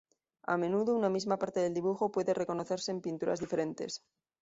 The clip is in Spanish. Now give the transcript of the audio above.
A menudo una misma parte del dibujo puede reconocerse en pinturas diferentes.